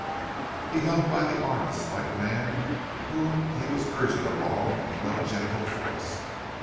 He held by the arm a slight man whom he was urging along with no gentle force.